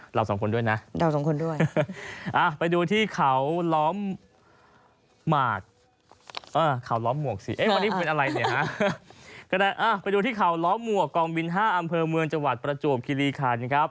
เราสองคนด้วยนะไปดูที่เขาล้อมหมวกกองบิน๕อำเภอเมืองจังหวัดประจวบคิริคัน